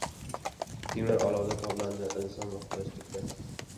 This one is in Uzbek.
• Temir olovda toblanadi, inson — muhtojlikda.